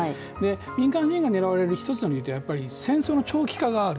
民間人が狙われる一つの理由って戦争の長期化がある。